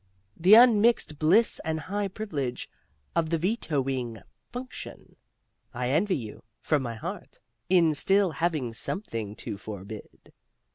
The unmixed bliss and high privilege of the vetoing function! I envy you, from my heart, in still having something to forbid."